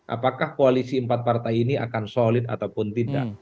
apakah koalisi empat partai ini akan solid ataupun tidak